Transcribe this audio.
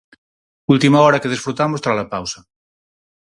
Última hora que desfrutamos tras a pausa.